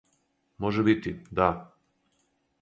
Може бити, да.